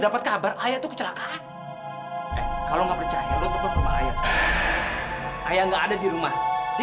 lihat kabar ayah kecelakaan kalau nggak percaya lu telfon rumah ayah ayah nggak ada di rumah di